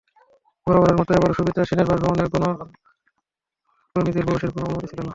বরাবরের মতো এবারও সুচিত্রা সেনের বাসভবনে গণমাধ্যমকর্মীদের প্রবেশের কোনো অনুমতি ছিল না।